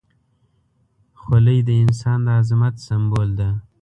خولۍ د انسان د عظمت سمبول ده.